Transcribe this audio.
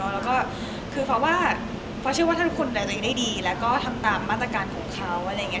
แล้วก็คือฟอสว่าเพราะเชื่อว่าท่านคุมตัวเองได้ดีแล้วก็ทำตามมาตรการของเขาอะไรอย่างนี้